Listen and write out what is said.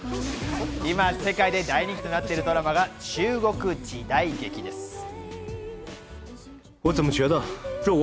今、世界で大人気となっているドラマが中国時代劇です。